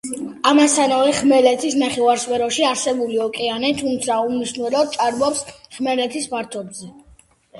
ამასთანავე ხმელეთის ნახევარსფეროში არსებული ოკეანე, თუმცა უმნიშვნელოდ, ჭარბობს ხმელეთის ფართობს.